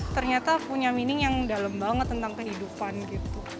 ternyata punya meaning yang dalam banget tentang kehidupan gitu